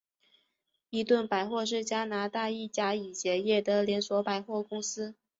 伊顿百货是加拿大一家已结业的连锁百货公司。